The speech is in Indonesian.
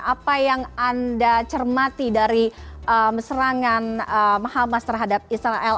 apa yang anda cermati dari meserangan mahamas terhadap israel